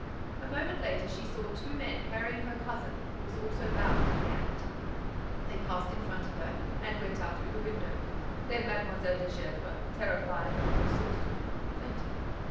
A moment later, she saw two men carrying her cousin, who was also bound and gagged. They passed in front of her and went out through the window. Then Mlle. de Gesvres, terrified and exhausted, fainted."